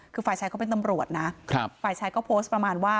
คือฝ่ายชายเขาเป็นตำรวจนะฝ่ายชายก็โพสต์ประมาณว่า